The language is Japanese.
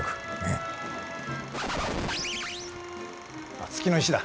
あっ月の石だ。